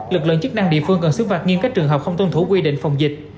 lực lượng chức năng địa phương cần xứng phạt nghiêm các trường hợp không tôn thủ quy định phòng dịch